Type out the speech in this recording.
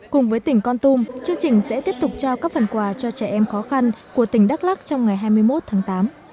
cùng với tỉnh con tum chương trình sẽ tiếp tục trao các phần quà cho trẻ em khó khăn của tỉnh đắk lắc trong ngày hai mươi một tháng tám